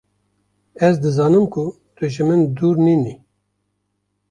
Ez dizanim ku tu ji min dûr nîn î